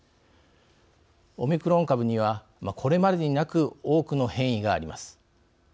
オミクロン株にはこれまでになく多くの変異があります。